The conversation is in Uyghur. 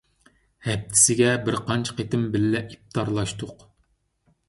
ھەپتىسىگە بىرقانچە قېتىم بىللە ئىپتارلاشتۇق.